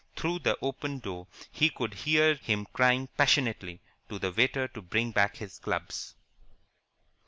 Through the open door he could hear him crying passionately to the waiter to bring back his clubs.